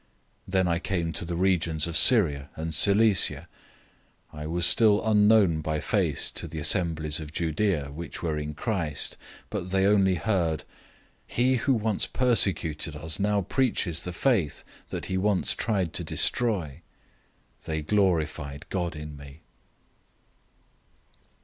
001:021 Then I came to the regions of Syria and Cilicia. 001:022 I was still unknown by face to the assemblies of Judea which were in Christ, 001:023 but they only heard: "He who once persecuted us now preaches the faith that he once tried to destroy." 001:024 And they glorified God in me.